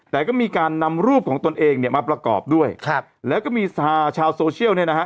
แต่ก็มีการนำรูปของตนเองเนี่ยมาประกอบด้วยครับแล้วก็มีชาวโซเชียลเนี่ยนะฮะ